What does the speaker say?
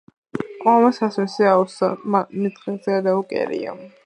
ყვავმა სასმისი აუვსო, მიდღეგრძელეო კერია.